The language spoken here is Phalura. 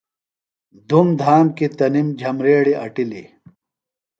دُھوم دھام کی تنِم جھبریڑیۡ اٹِلیۡ۔